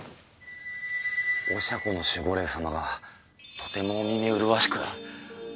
おしゃ子の守護霊様がとても見目麗しく。